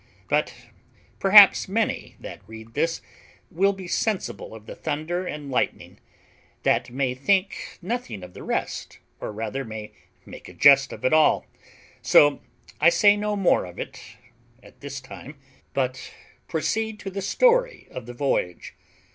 But perhaps many that read this will be sensible of the thunder and lightning, that may think nothing of the rest, or rather may make a jest of it all; so I say no more of it at this time, but proceed to the story of the voyage.